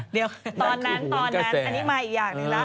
เดี๋ยวตอนนั้นตอนนั้นอันนี้มาอีกอย่างหนึ่งแล้ว